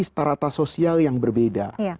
setarata sosial yang berbeda